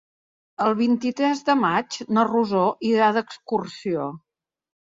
El vint-i-tres de maig na Rosó irà d'excursió.